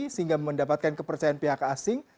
sehingga mendapatkan kepercayaan pihak asing